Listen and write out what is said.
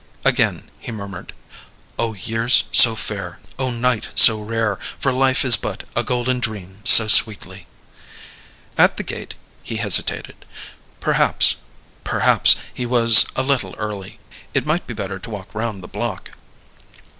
Again he murmured: "Oh, years so fair; oh, night so rare! For life is but a golden dream so sweetly." At the gate he hesitated. Perhaps perhaps he was a little early. It might be better to walk round the block.